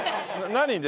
何で？